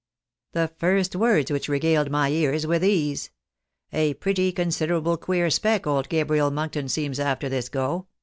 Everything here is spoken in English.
The first words which regaled my ears were these :' A pretty considerable queer spec old Gabriel Monkton seems after this go.